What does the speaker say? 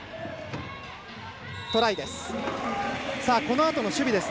トライです。